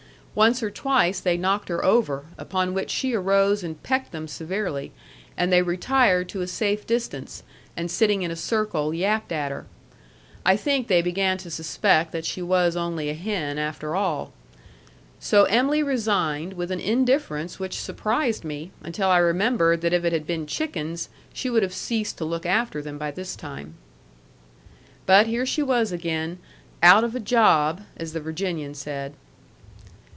Once or twice they knocked her over, upon which she arose and pecked them severely, and they retired to a safe distance, and sitting in a circle, yapped at her. I think they began to suspect that she was only a hen after all. So Em'ly resigned with an indifference which surprised me, until I remembered that if it had been chickens, she would have ceased to look after them by this time. But here she was again "out of a job," as the Virginian said.